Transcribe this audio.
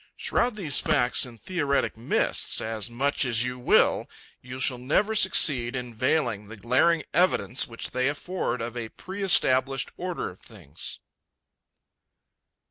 Shroud these facts in theoretic mists as much as you will, you shall never succeed in veiling the glaring evidence which they afford of a pre established order of things.